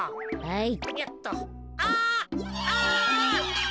はい。